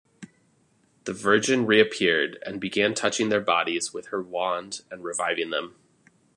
The Virgin reappeared and began touching their bodies with her wand and reviving them.